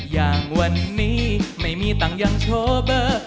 อย่างวันนี้ไม่มีตังค์ยังโชว์เบอร์